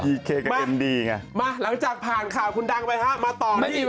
ดีเคกับเอ็มดีไง